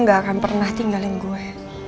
gak akan pernah tinggalin gue